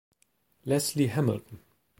Leslie Hamilton.